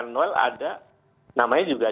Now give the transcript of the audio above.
noel ada namanya juga